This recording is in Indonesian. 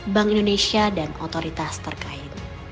bank indonesia dan otoritas terkait